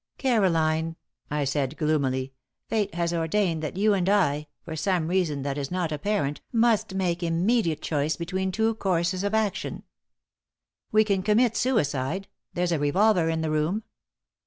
"Caroline," I said, gloomily, "Fate has ordained that you and I, for some reason that is not apparent, must make immediate choice between two courses of action. We can commit suicide there's a revolver in the room.